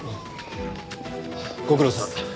ご苦労さん。